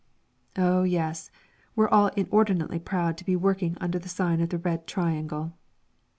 Oh, yes, we're all inordinately proud to be working under the sign of the Red Triangle!